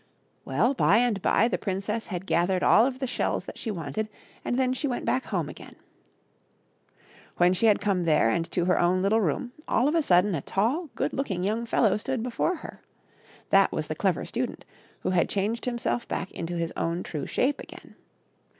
Well, by and by the princess had gathered all of the shells that she wanted, and then she went back home again. When she had come there and to her own little room, all of a sudden a tall, good looking young fellow stood before her. That was the Clever Student, who had changed himself back into his own true shape again.